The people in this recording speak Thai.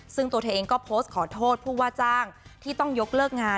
ซึ่งตัวเธอเองก็โพสต์ขอโทษผู้ว่าจ้างที่ต้องยกเลิกงาน